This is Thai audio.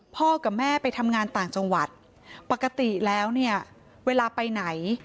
กับแม่ไปทำงานต่างจังหวัดปกติแล้วเนี่ยเวลาไปไหน